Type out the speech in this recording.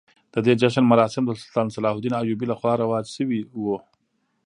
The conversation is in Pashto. د دې جشن مراسم د سلطان صلاح الدین ایوبي لخوا رواج شوي وو.